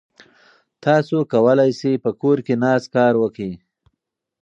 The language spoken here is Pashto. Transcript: تاسو کولای شئ په کور کې ناست کار وکړئ.